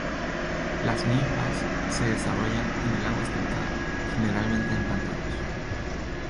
Las ninfas se desarrollan en el agua estancada, generalmente en pantanos.